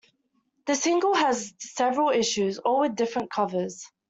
The single has several issues, all with different covers.